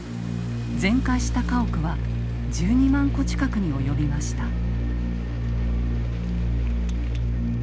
全壊した家屋は１２万戸近くに及びました。